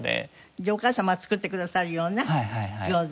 じゃあお母様が作ってくださるような餃子？